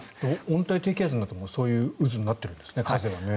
温帯低気圧になってもそういう渦になっているんですね風はね。